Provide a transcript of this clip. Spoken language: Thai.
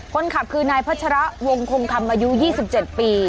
คนขับคือนายพัชระวงคงคำอายุ๒๗ปี